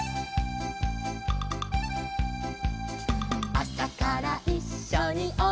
「あさからいっしょにおにぎり」